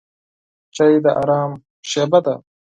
چای د آرام شېبه ده.